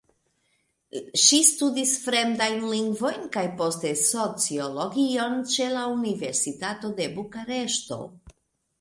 Ŝi studis fremdajn lingvojn kaj poste sociologion ĉe la Universitato de Bukareŝto.